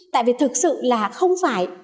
tại vì thực sự là không phải